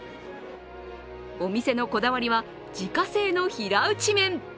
お店のこだわりは自家製の平打ち麺。